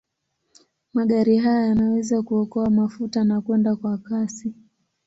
Magari haya yanaweza kuokoa mafuta na kwenda kwa kasi.